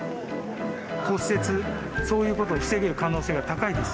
骨折そういうことを防げる可能性が高いです。